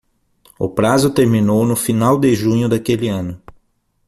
O prazo terminou no final de junho daquele ano.